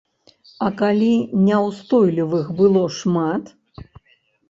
А калі няўстойлівых было шмат?